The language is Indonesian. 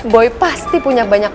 boy pasti punya banyak